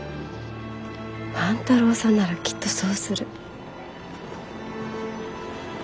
万太郎さんならきっとそうする。